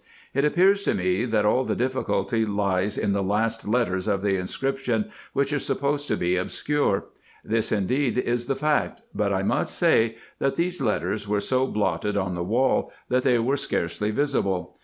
It appears to me, that all the difficulty lies in the last letters of the inscription, which are supposed to be obscure. This indeed is the fact ; but I must say, that these letters were so blotted on the wall, that they were scarcely visible.